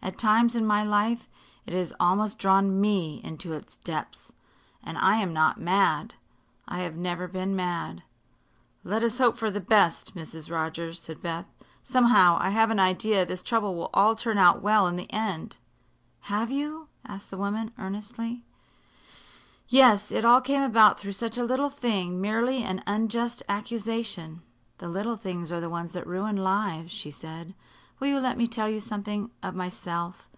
At times in my life it has almost drawn me into its depths and I am not mad. I have never been mad." "Let us hope for the best, Mrs. Rogers," said Beth. "Somehow, I have an idea this trouble will all turn out well in the end." "Have you?" asked the woman, earnestly. "Yes. It all came about through such a little thing merely an unjust accusation." "The little things are the ones that ruin lives," she said. "Will you let me tell you something of myself?